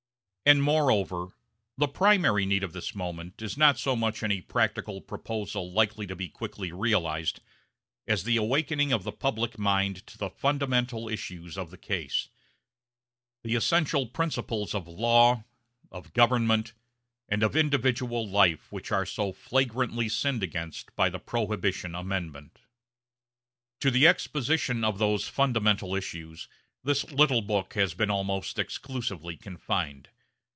And moreover, the primary need of this moment is not so much any practical proposal likely to be quickly realized as the awakening of the public mind to the fundamental issues of the case the essential principles of law, of government, and of individual life which are so flagrantly sinned against by the Prohibition Amendment. To the exposition of those fundamental issues this little book has been almost exclusively confined.